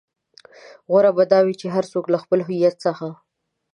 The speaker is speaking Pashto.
غوره به دا وي چې هر څوک له خپل هويت څخه.